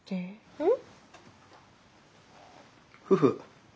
うん。